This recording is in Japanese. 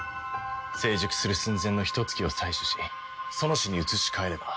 成熟する寸前のヒトツ鬼を採取しソノシに移し替えれば。